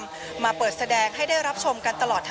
พาคุณผู้ชมไปติดตามบรรยากาศกันที่วัดอรุณราชวรรมหาวิหารค่ะ